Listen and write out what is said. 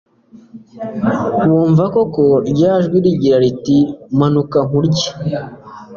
bumva koko ryajwi rigira riti manuka nkurye